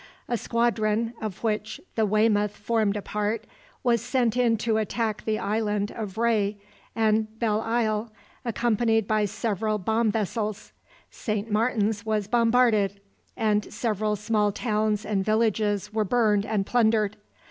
A squadron, of which the "Weymouth" formed a part, was sent in to attack the Island of Rhe and Belleisle, accompanied by several bomb vessels. Saint Martin's was bombarded, and several small towns and villages were burned and plundered.